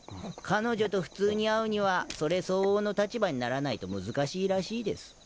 彼女と普通に会うにはそれ相応の立場にならないと難しいらしいです。